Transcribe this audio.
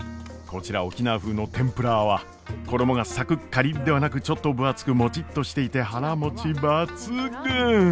こちら沖縄風のてんぷらーは衣がサクッカリッではなくちょっと分厚くもちっとしていて腹もち抜群！